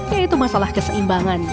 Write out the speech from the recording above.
yaitu masalah keseimbangan